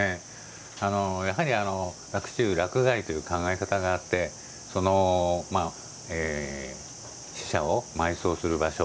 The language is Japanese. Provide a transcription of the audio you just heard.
やはり、洛中、洛外という考え方があってその死者を埋葬する場所